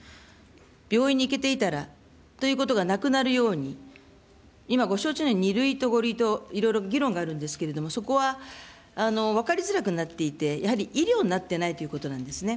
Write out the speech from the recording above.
病院に行けていたらということがなくなるように、今ご承知のように、２類と５類といろいろ議論があるんですけれども、そこは分かりづらくなっていて、やはり医療になっていないということなんですね。